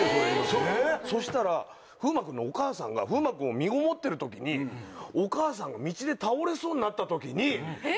そしたら風磨君のお母さんが風磨君を身ごもってる時にお母さんが道で倒れそうになった時に。